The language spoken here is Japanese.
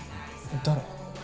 誰？